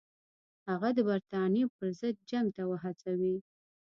هغه د برټانیې پر ضد جنګ ته وهڅوي.